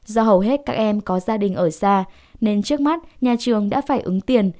do hầu hết các em có gia đình ở xa nên trước mắt nhà trường đã phải ứng tiền